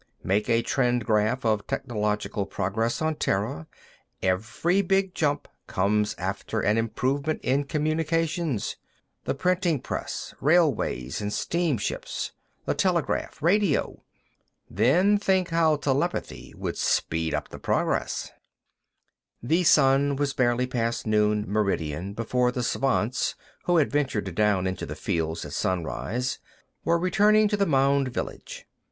Make a trend graph of technological progress on Terra; every big jump comes after an improvement in communications. The printing press; railways and steamships; the telegraph; radio. Then think how telepathy would speed up progress." The sun was barely past noon meridian before the Svants, who had ventured down into the fields at sunrise, were returning to the mound village.